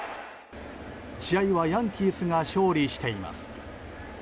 試合はヤンキースが勝利しています。